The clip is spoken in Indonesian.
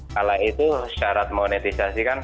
kalau itu syarat monetisasi kan rp sepuluh